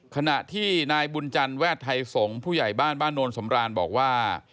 ขณะที่นายบุญจันทร์แวดไทยสงฆ์ผู้ใหญ่บ้านบ้านโนนสำรานบอกว่า